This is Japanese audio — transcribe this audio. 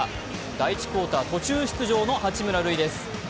第１クオーター、途中出場の八村塁です。